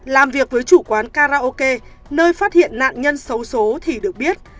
làm việc với chủ quán karaoke nơi phát hiện nạn nhân xấu xố thì được biết